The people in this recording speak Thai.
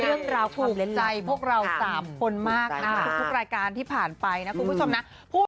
เรื่องราวความเล่นลักถูกใจพวกเราสามคนมากคุณผู้ชมนะ